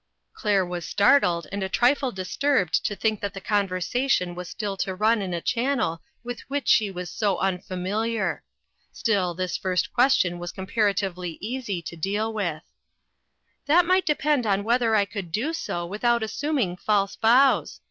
Claire was startled and a trifle disturbed to think that the conversation was still to run in a channel with which she was so unfamiliar. Still, this first question was com paratively easy to deal with. 340 INTERRUPTED, " That might depend on whether I could do so without assuming false vows.